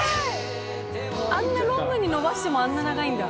あんなロングに伸ばしてもあんな長いんだ